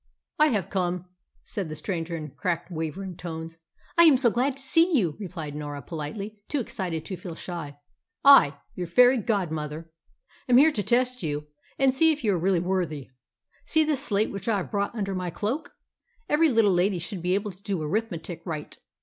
"I have come," said the stranger in cracked, quavering tones. "I'm so glad to see you," replied Norah politely, too excited to feel shy. "I your fairy godmother am here to test you and see if you are really worthy. See this slate which I have brought under my cloak. Every little lady should be able to do arithmetic right.